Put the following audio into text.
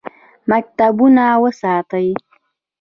مکتبونه وساتئ